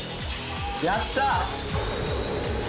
やった！